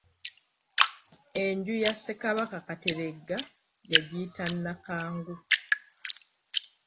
Enju ya Ssekabaka Kateregga yagiyita Nnakangu.